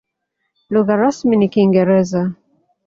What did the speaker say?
Lugha rasmi ni Kiingereza.